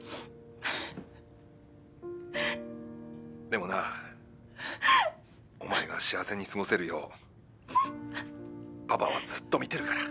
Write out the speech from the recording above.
でもなお前が幸せに過ごせるようパパはずっと見てるから。